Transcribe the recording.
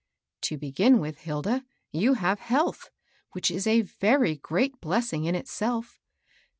" To begin with, Hilda, you have health, which is a very great blessing in itself.